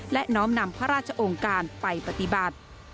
และน้อมนำพระราชองค์การไปปฏิบัติ